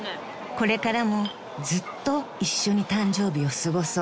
［これからもずっと一緒に誕生日を過ごそう］